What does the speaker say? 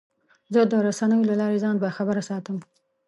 زه د رسنیو له لارې ځان باخبره ساتم.